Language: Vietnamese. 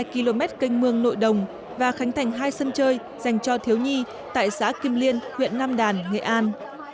ba mươi km canh mương nội đồng và khánh thành hai sân chơi dành cho thiếu nhi tại xã kim liên huyện nam đàn nghệ an